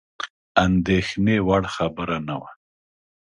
اندېښني وړ خبره وه.